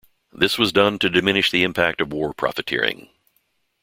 This was done to diminish the impact of war profiteering.